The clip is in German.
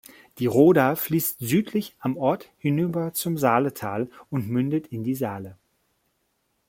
Die Roda fließt südlich am Ort hinüber zum Saaletal und mündet in die Saale.